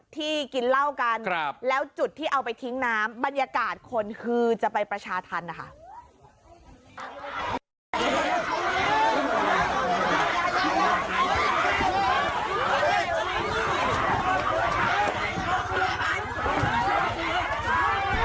กินเหล้ากันแล้วจุดที่เอาไปทิ้งน้ำบรรยากาศคนคือจะไปประชาธรรมนะคะ